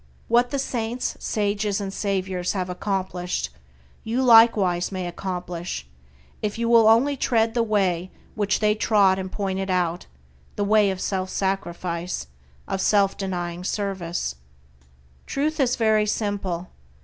What the saints, sages, and saviors have accomplished, you likewise may accomplish if you will only tread the way which they trod and pointed out, the way of self sacrifice, of self denying service. Truth is very simple.